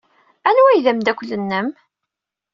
Anwa ay d ameddakel-nnem?